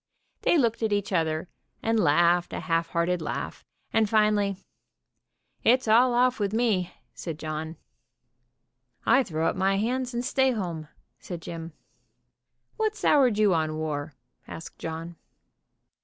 They looked at each other and laughed a half hearted laugh, and finally: "It's all off with me," said John. "I throw up my hands, and stay home," said Jim. "What soured you on war?" asked John.